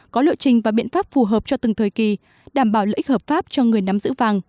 có lộ trình và biện pháp phù hợp cho từng thời kỳ đảm bảo lợi ích hợp pháp cho người nắm giữ vàng